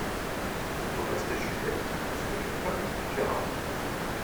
Au reste, Juliette, vous ferez comme il vous plaira.